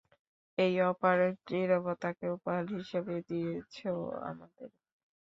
এই অপার নীরবতাকে উপহার হিসেবে দিয়েছ আমাদের।